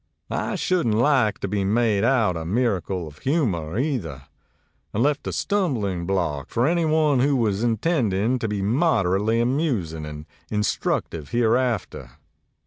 I shouldn't like to be made out a miracle of humor, either, and left a stumbling block for anyone who was intending to be moderately amusing and instructive hereafter.